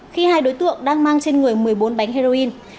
khi hai đối tượng đang mang trên người một mươi bốn bánh heroin